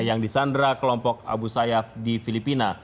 yang disandra kelompok abu sayyaf di filipina